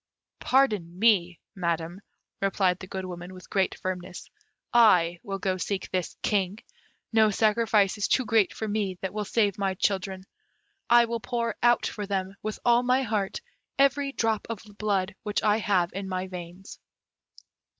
"Pardon me, Madam," replied the Good Woman, with great firmness; "I will go seek this King; no sacrifice is too great for me that will save my children. I will pour out for them, with all my heart, every drop of blood which I have in my veins."